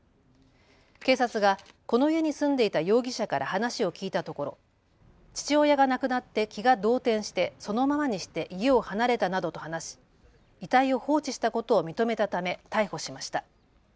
警察がこの家に住んでいた容疑者から話を聞いたところ父親が亡くなって気が動転してそのままにして家を離れたなどと話し、遺体を放置したことを認めたため逮捕しました。